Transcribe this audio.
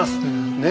ねえ。